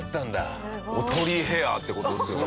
おとりヘアって事ですよね。